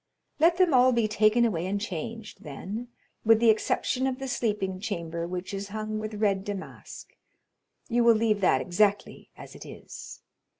"Let them all be taken away and changed, then, with the exception of the sleeping chamber which is hung with red damask; you will leave that exactly as it is."